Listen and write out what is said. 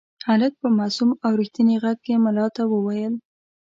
هلک په معصوم او رښتیني غږ کې ملا ته وویل.